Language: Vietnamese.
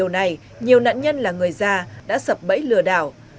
nạn nhân là người già đã sập bẫy lừa đảo